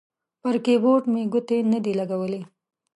پر کیبورډ مې ګوتې نه دي لګولي